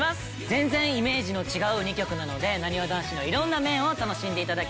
全然イメージの違う２曲なのでなにわ男子の色んな面を楽しんで頂けると思います。